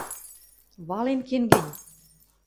– Вален кен гӹнь!